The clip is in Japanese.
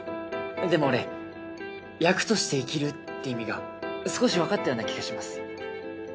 でも俺役として生きるって意味が少しわかったような気がします。